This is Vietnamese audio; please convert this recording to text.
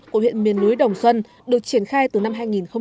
của huyện miền núi đồng xuân được triển khai từ năm hai nghìn một mươi